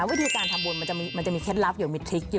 วิธีการทำบุญมันจะเคล็ดลับหรือมีทริคอยู่